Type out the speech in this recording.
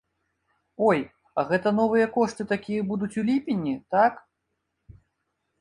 Ой, а гэта новыя кошты такія будуць у ліпені, так?